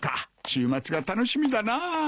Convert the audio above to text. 週末が楽しみだなぁ。